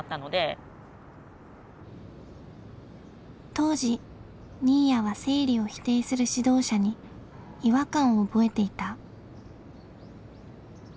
当時新谷は生理を否定する指導者に違和感を覚えていた。